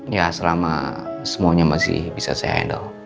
ya selama semuanya masih bisa saya handle